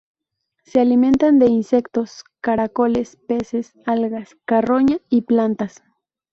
Se alimentan de insectos, caracoles, peces, algas, carroña y plantas.